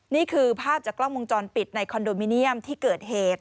นี่คือภาพจากกล้องวงจรปิดในคอนโดมิเนียมที่เกิดเหตุ